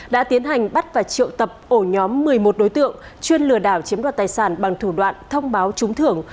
đã tiến hành bắt và triệu tập ổ nhóm một mươi một đối tượng chuyên lừa đảo chiếm đoạt tài sản bằng thủ đoạn thông báo trúng thưởng